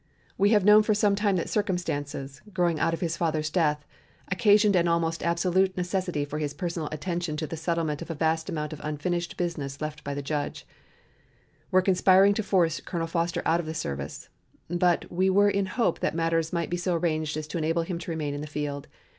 We have known for some time that circumstances growing out of his father's death, occasioned an almost absolute necessity for his personal attention to the settlement of a vast amount of unfinished business left by the Judge were conspiring to force Colonel Foster out of the service, but we were in hope that matters might be so arranged as to enable him to remain in the field.